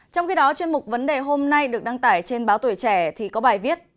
trong khi đó chuyên mục vấn đề hôm nay được đăng tải trên báo tuổi trẻ thì có bài viết